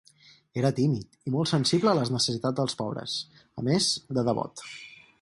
Era tímid i molt sensible a les necessitats dels pobres, a més de devot.